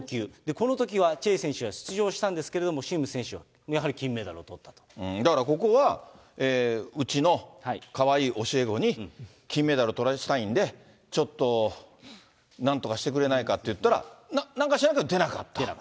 このときはチェ選手は出場したんですけどもシム選手はやはり金メだからここは、うちのかわいい教え子に金メダルとらせたいんで、ちょっとなんとかしてくれないかって言ったら、なんか知らんけど出なかった。